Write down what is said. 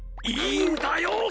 今はいいんだよ！